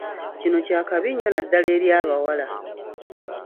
Kino kya kabi nnyo naddala eri abawala.